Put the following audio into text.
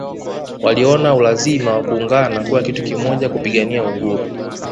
Waliona ulazima wa kuungana kuwa kitu kimoja kupigania uhuru